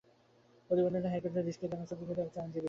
প্রতিবেদনটি হাইকোর্টের দৃষ্টিতে আনেন সুপ্রিম কোর্টের একজন আইনজীবী।